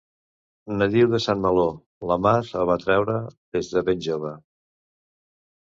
Nadiu de Saint-Malo, la mar el va atraure des de ben jove.